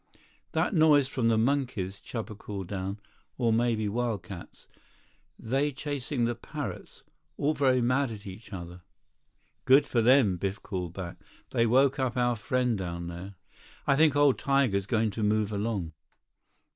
"That noise from the monkeys," Chuba called down. "Or maybe wildcats. They chasing the parrots. All very much mad at each other." "Good for them," Biff called back. "They woke up our friend down there. I think old tiger's going to move along."